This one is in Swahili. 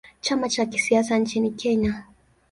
Chama cha kisiasa nchini Kenya.